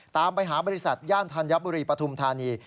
ตามไปหาบริษัทย่านธัญบุรีปฐุมธานี